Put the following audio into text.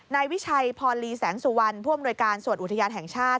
ในวิชัยพรลีแสงสุวรรณพร่วมโดยการส่วนอุทยานแห่งชาติ